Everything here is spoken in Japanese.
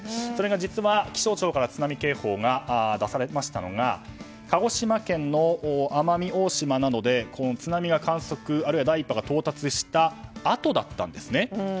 それが実は気象庁から津波警報が出されたのが鹿児島県の奄美大島などでこの津波が観測あるいは第１波が到達したあとだったんですね。